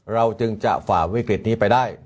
เราจึงจะฝ่าวิกฤตนี้ไปได้